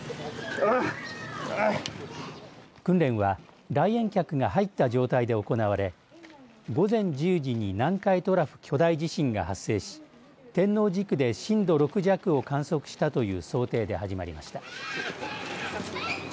訓練は、来園客が入った状態で行われ午前１０時に南海トラフ巨大地震が発生し天王寺区で震度６弱を観測したという想定で始まりました。